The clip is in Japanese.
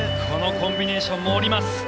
このコンビネーションも降ります。